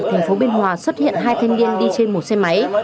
tp biên hòa xuất hiện hai thanh niên đi trên một xe máy